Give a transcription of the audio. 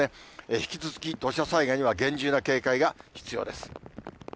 引き続き土砂災害には厳重な警戒が必要です。